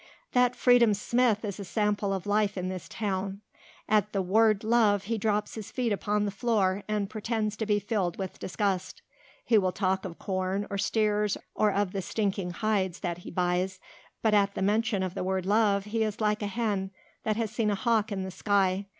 "That Freedom Smith is a sample of life in this town. At the word love he drops his feet upon the floor and pretends to be filled with disgust. He will talk of corn or steers or of the stinking hides that he buys, but at the mention of the word love he is like a hen that has seen a hawk in the sky.